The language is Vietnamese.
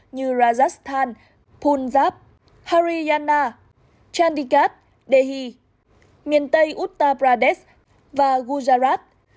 như rajasthan punjab haryana chandigarh delhi miền tây uttar pradesh và gujarat